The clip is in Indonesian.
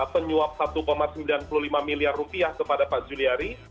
penyuap satu sembilan puluh lima miliar rupiah kepada pak juliari